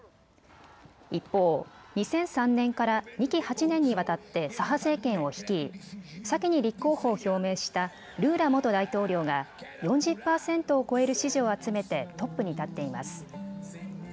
一方、２００３年から２期８年にわたって左派政権を率い先に立候補を表明したルーラ元大統領が４０％を超える支持を集めてトップに立っています。